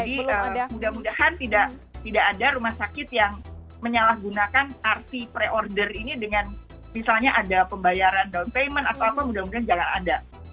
jadi mudah mudahan tidak ada rumah sakit yang menyalahgunakan arti pre order ini dengan misalnya ada pembayaran down payment atau apa mudah mudahan jangan ada